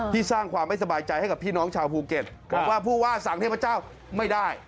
สร้างความไม่สบายใจให้กับพี่น้องชาวภูเก็ตบอกว่าผู้ว่าสั่งเทพเจ้าไม่ได้